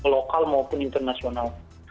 lokal maupun internasional